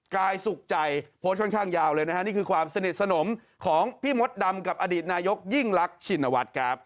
กายสุขใจโพสต์ค่อนข้างยาวเลยนะฮะนี่คือความสนิทสนมของพี่มดดำกับอดีตนายกยิ่งรักชินวัฒน์ครับ